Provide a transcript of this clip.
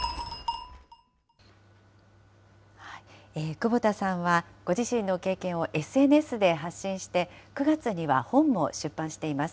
久保田さんは、ご自身の経験をＳＮＳで発信して、９月には本も出版しています。